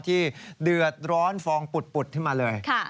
ที่เดือดร้อนฟองปุดขึ้นมาเลย